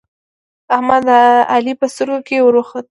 احمد د علی په سترګو کې ور وخوت